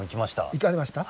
行かれました？